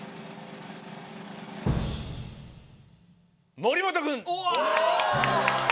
森本君！